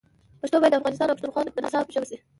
پښتو باید د افغانستان او پښتونخوا د نصاب ژبه شي.